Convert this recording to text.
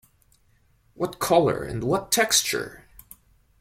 What colour, and what texture!